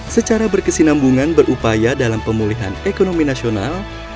secara berkesinambungan berupaya dalam pemulihan ekonomi nasional